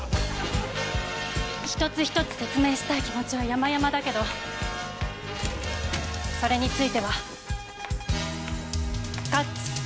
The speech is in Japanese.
一つ一つ説明したい気持ちはやまやまだけどそれについてはカッツ。